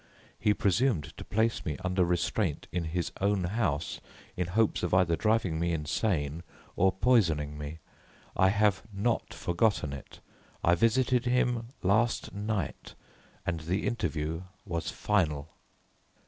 He presumed to place me under restraint in his own house in hopes of either driving me insane or poisoning me. I have not forgotten it. I visited him last night and the interview was final."